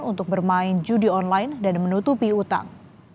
untuk bermain judi online dan menutupi utang